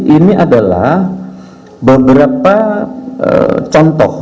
ini adalah beberapa contoh